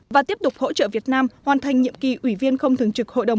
và tiếp tục hỗ trợ việt nam hoàn thành nhiệm kỳ ủy viên không thường trực hội đồng